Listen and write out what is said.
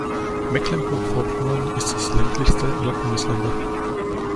Mecklenburg-Vorpommern ist das ländlichste aller Bundesländer.